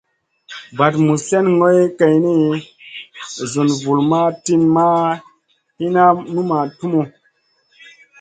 Vaɗ muzn slèn goy geyni, sùn vulmaʼ tinʼ ma hinna, numaʼ tumu.